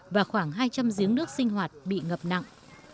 và khoảng hai trăm linh giếng nước sinh hoạt bị ngập nặng